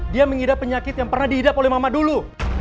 dia mengidap penyakit yang pernah diidap oleh mama dulu